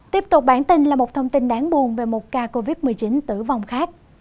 tiếp tục bản tin là một thông tin đáng buồn về một ca covid một mươi chín tử vong khác